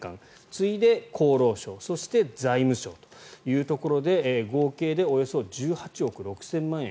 次いで、厚労省そして財務省というところで合計でおよそ１８億６０００万円。